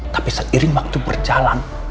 tapi seiring waktu berjalan